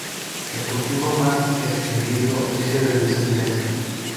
El cultivo más extendido es el del centeno.